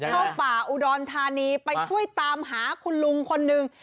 เข้าป่าอุดรธานีไปช่วยตามหาคุณลุงคนหนึ่ง